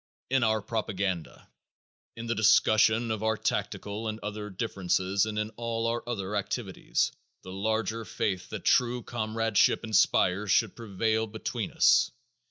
In our propaganda, in the discussion of our tactical and other differences and in all our other activities, the larger faith that true comradeship inspires should prevail between us.